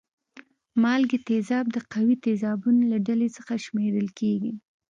مالګې تیزاب د قوي تیزابونو له ډلې څخه شمیرل کیږي.